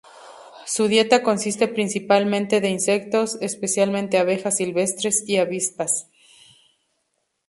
Su dieta consiste principalmente de insectos, especialmente abejas silvestres y avispas.